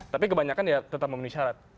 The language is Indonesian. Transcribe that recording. tapi kebanyakan ya tetap memenuhi syarat